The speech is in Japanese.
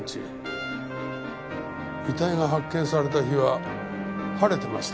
遺体が発見された日は晴れてました？